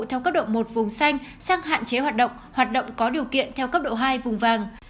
theo cấp độ một vùng xanh sang hạn chế hoạt động hoạt động có điều kiện theo cấp độ hai vùng vàng